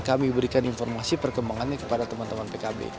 kami berikan informasi perkembangannya kepada teman teman pkb